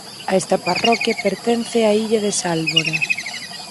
A esta parroquia pertence a illa de Sálvora.